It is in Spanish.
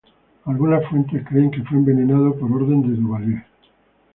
Algunas fuentes creen que fue envenenado por orden de Duvalier.